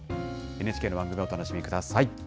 ＮＨＫの番組をお楽しみください。